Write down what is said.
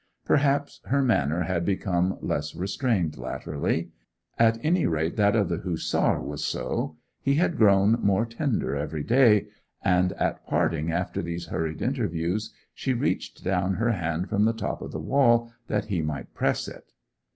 Perhaps her manner had become less restrained latterly; at any rate that of the Hussar was so; he had grown more tender every day, and at parting after these hurried interviews she reached down her hand from the top of the wall that he might press it.